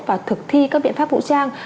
và thực thi các biện pháp vũ trang